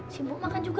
si mbok makan juga